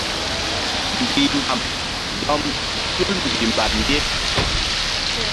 Mbih mbam dɔm tul mbihmbam ye.